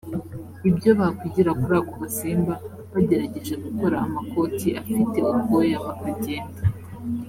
ibyo bakwigira kuri ako gasimba bagerageje gukora amakoti afite ubwoya bakagenda